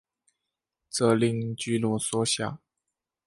这令聚落缩小。